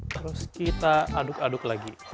terus kita aduk aduk lagi